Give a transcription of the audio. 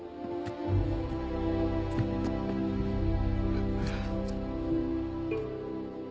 あっ。